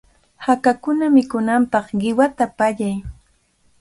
Hakakuna mikunanpaq qiwata pallay.